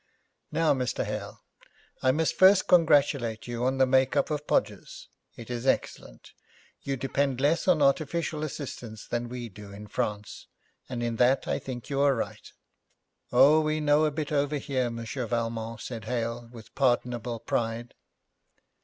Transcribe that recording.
'Now, Mr. Hale, I must first congratulate you on the make up of Podgers. It is excellent. You depend less on artificial assistance than we do in France, and in that I think you are right.' 'Oh, we know a bit over here, Monsieur Valmont,' said Hale, with pardonable pride.